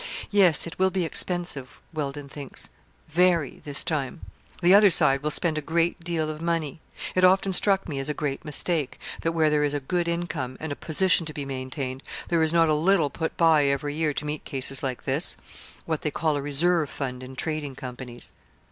'Yes, it will be expensive, Wealdon thinks very, this time. The other side will spend a great deal of money. It often struck me as a great mistake, that, where there is a good income, and a position to be maintained, there is not a little put by every year to meet cases like this what they call a reserve fund in trading companies.'